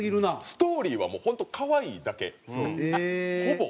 ストーリーはもう本当可愛いだけほぼ。